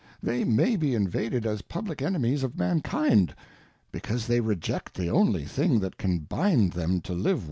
they ma,y be Invaded as Publick Enerriies of Mankind, because they reject the only thing that can bind tHem toUve.